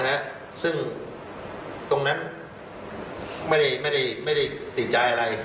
นะซึ่งตรงนั้นไม่ได้ไม่ได้ติดใจอะไร